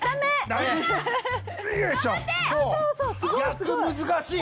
逆難しい！